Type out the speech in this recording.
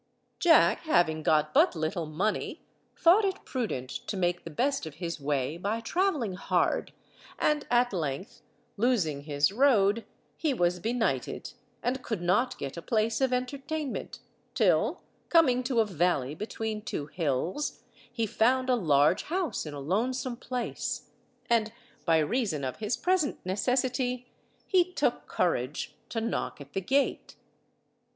Jack having got but little money, thought it prudent to make the best of his way by travelling hard, and at length, losing his road, he was benighted, and could not get a place of entertainment, till, coming to a valley between two hills, he found a large house in a lonesome place, and by reason of his present necessity he took courage to knock at the gate.